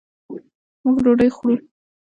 موږ ډوډۍ خورو